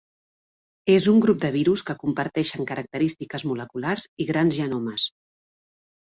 És un grup de virus que comparteixen característiques moleculars i grans genomes.